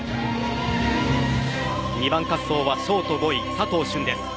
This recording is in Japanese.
２番滑走はショート５位佐藤駿です。